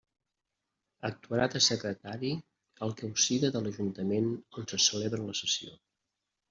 Actuarà de secretari el que ho siga de l'ajuntament on se celebra la sessió.